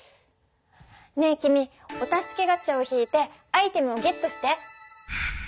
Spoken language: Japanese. ねえ君お助けガチャを引いてアイテムをゲットして！